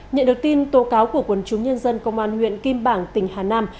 nhận được tin tố cáo của quân chúng nhân dân công an huyện kim bảng tỉnh hà nam